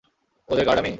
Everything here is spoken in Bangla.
ওদের গার্ড আমি?